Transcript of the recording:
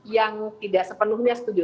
yang tidak sepenuhnya setuju